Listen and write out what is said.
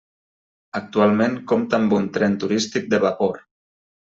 Actualment compta amb un tren turístic de vapor.